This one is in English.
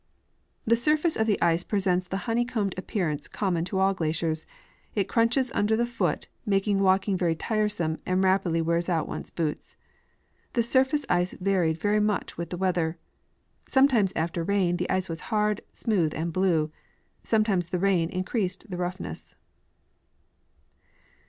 The surtace of the ice presents the honeycombed appearance common to all glaciers ; it crunches under the foot, making walk ing very tiresome, and rapidly wears out one's boots. This sur face ice varied very much with the weather. Sometimes after ram the ice was hard, smooth, and blue ; sometimes the rain increased the roughness.